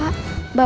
aku harus jawab apa